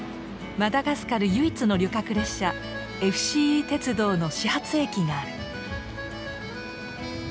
マダガスカル唯一の旅客列車ＦＣＥ鉄道の始発駅がある。